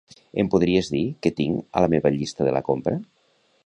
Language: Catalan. Em podries dir què tinc a la meva llista de la compra?